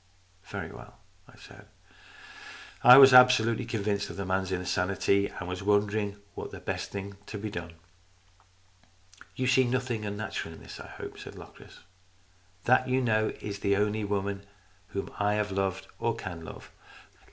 Very well," I said. I was absolutely convinced of the man's insanity, and was wondering what was the best thing to be done. "You see nothing unnatural in this, I hope," said Locris. " That, you know, is the only woman whom I have loved or can love.